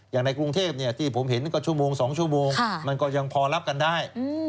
อย่างในกรุงเทพที่ผมเห็นก็ชั่วโมง๒ชั่วโมงมันก็ยังพอรับกันได้